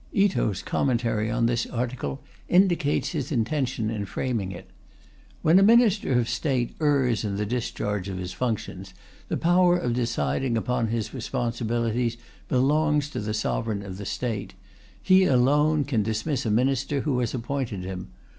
Ito's commentary on this article indicates his intention in framing it. "When a Minister of State errs in the discharge of his functions, the power of deciding upon his responsibilities belongs to the Sovereign of the State: he alone can dismiss a Minister who has appointed him.